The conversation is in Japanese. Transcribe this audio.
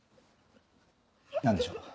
何でしょう？